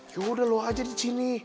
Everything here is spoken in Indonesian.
yaudah lu aja di sini